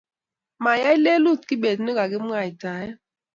Mayai lelut kibet ne kakimwaitae